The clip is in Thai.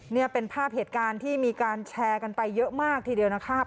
นี่เป็นภาพเหตุการณ์ที่มีการแชร์กันไปเยอะมากทีเดียวนะครับ